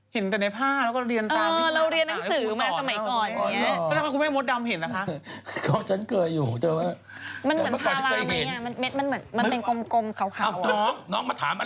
เห็นแต่ในผ้าแล้วก็เรียนตามวิทยาลัยภาพภูมิศาสตร์นะครับอ๋อเออเราเรียนหนังสือมาสมัยก่อนอย่างนี้